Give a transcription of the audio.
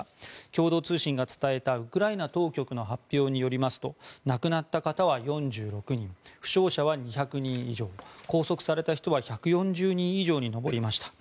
共同通信が伝えたウクライナ当局の発表によりますと亡くなった方は４６人負傷者は２００人以上拘束された人は１４０人以上に上りました。